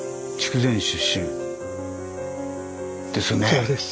そうです。